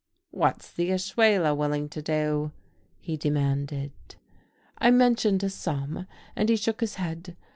"What's the Ashuela willing to do?" he demanded. I mentioned a sum, and he shook his head.